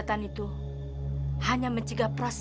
pengobatan itu hanya menjaga proses pengelupasan